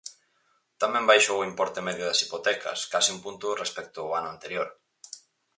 Tamén baixou o importe medio das hipotecas, case un punto respecto ao ano anterior.